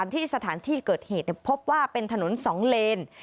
พิธีเรียกดวงวิญญาณที่สถานที่เกิดเหตุพบว่าเป็นถนนสองเลน